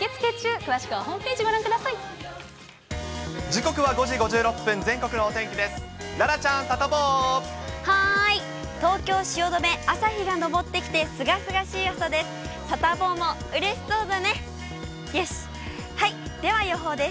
東京・汐留、朝日が昇ってきてすがすがしい朝です。